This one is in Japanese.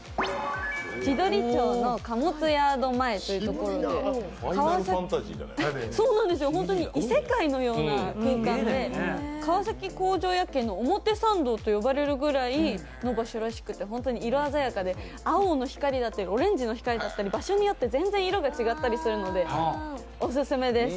千鳥町の貨物ヤード前というところで、本当に異世界のような空間で、川崎工場夜景の表参道と呼ばれるくらいの場所らしくて、本当に色鮮やかで、青の光だったりオレンジ色の光だったり、場所によって全然色が違ったりするのでおすすめです。